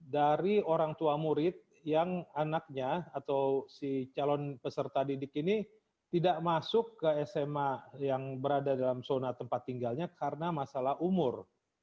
dari orang tua murid yang anaknya atau si calon peserta didik ini tidak masuk ke sma yang berada dalam zona tempat tinggalnya karena masalah umur